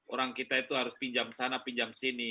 orang kita itu harus pinjam sana pinjam sini